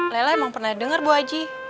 lela emang pernah denger bu aji